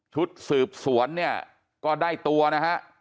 ชุดสืบสวนเนี่ยก็ได้ตัวนะฮะ